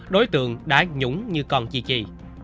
đối tượng đã nhũng như con chi chi